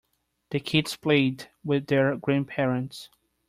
The kids played with their grandparents.